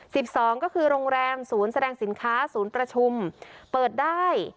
สองก็คือโรงแรมศูนย์แสดงสินค้าศูนย์ประชุมเปิดได้